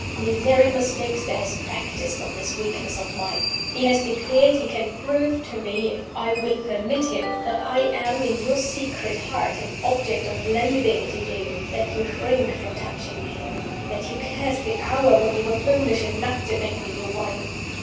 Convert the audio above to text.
Miserrimus Dexter has practiced on this weakness of mine. He has declared he can prove to me (if I will permit him) that I am, in your secret heart, an object of loathing to you; that you shrink from touching me; that you curse the hour when you were foolish enough to make me your wife.